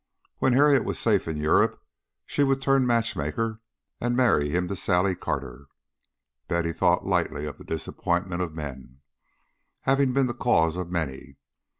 When Harriet was safe in Europe, she would turn matchmaker and marry him to Sally Carter. Betty thought lightly of the disappointments of men, having been the cause of many.